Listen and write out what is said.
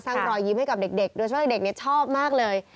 รอยยิ้มให้กับเด็กโดยเฉพาะเด็กชอบมากเลย